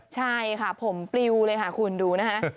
ใช่ค่ะผมปลิวเลยค่ะคุณดูนะคะ